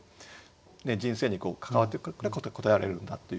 人生に関わってくるから答えられるんだというね